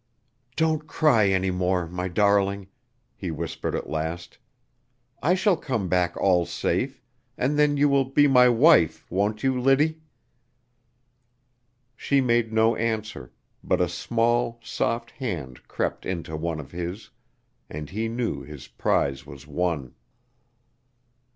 "Don't cry any more, my darling," he whispered at last. "I shall come back all safe, and then you will be my wife, won't you, Liddy?" She made no answer, but a small, soft hand crept into one of his, and he knew his prize was won.